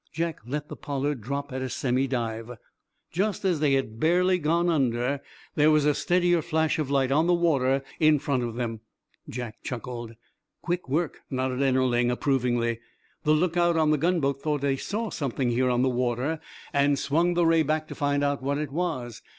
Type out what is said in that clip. Jack let the "Pollard" drop at a semi dive. Just as they had barely gone under there was a steadier flash of light on the water in front of them. Jack chuckled. "Quick work," nodded Ennerling, approvingly. "The lookout on the gunboat thought they saw something here on the water, and swung the ray back to find out what it was.